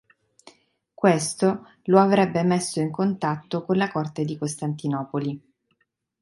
Questo lo avrebbe messo in contatto con la corte di Costantinopoli.